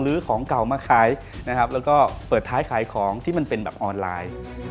ของเก่ามาขายนะครับแล้วก็เปิดท้ายขายของที่มันเป็นแบบออนไลน์